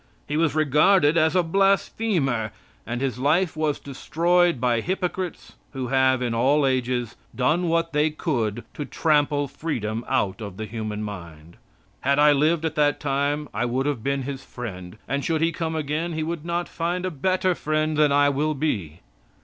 He was regarded as a blasphemer, and His life was destroyed by hypocrites, who have, in all ages, done what they could to trample freedom out of the human mind. Had I lived at that time I would have been His friend, and should He come again He would not find a better friend than I will be.